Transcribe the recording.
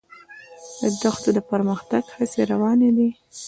د دښتو د پرمختګ هڅې روانې دي.